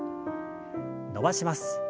伸ばします。